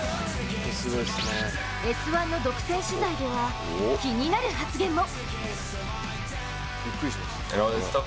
「Ｓ☆１」の独占取材では気になる発言も。